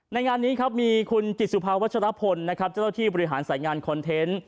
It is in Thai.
ในงานนี้มีคุณกิจสุพาวัชละพลเจ้าที่บริหารสายงานคอนเทนต์